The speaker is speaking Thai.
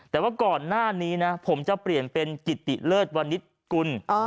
แต่ว่าก่อนหน้านี้นะผมจะเปลี่ยนเป็นกิติเลิศวนิษฐกุล